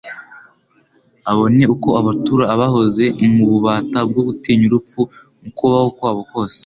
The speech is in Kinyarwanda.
Abone uko abatura abahoze mu bubata bwo gutinya urupfu mu kubaho kwabo kose'.»